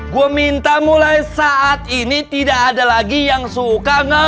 gue minta mulai saat ini tidak ada lagi yang suka nge